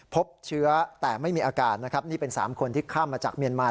พบเชื้อแต่ไม่มีอาการนะครับนี่เป็น๓คนที่ข้ามมาจากเมียนมา